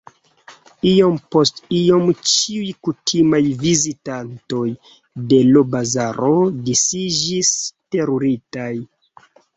Iom post iom ĉiuj kutimaj vizitantoj de l' bazaro disiĝis teruritaj.